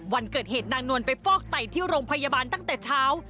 วันเกิดเหตุนางนวลไปฟอกไตที่โรงพยาบาลตั้งแต่เช้า